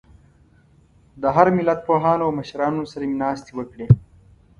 د هر ملت پوهانو او مشرانو سره مې ناستې وکړې.